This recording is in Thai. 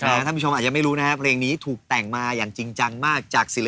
นะครับทุกคนอาจจะไม่รู้นะฮะเพลงนี้ถูกแต่งมาจางจริงจังมากจากศิลฯ